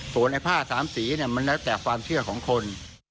ส่วนไอ้ผ้าสามสีเนี่ยมันแล้วแต่ความเชื่อของคน